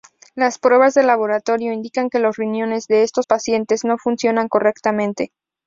Las pruebas de laboratorio indican que los riñones de estos pacientes no funcionan correctamente.